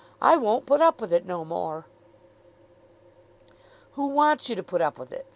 "I won't put up with it no more." "Who wants you to put up with it?"